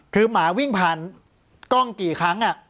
คือหมาวิ่งผ่านกล้องกี่ครั้ง